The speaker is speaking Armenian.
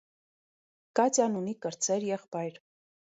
Կատյան ունի կրտսեր եղբայր։